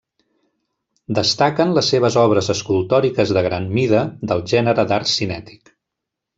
Destaquen les seves obres escultòriques de gran mida, del gènere d'art cinètic.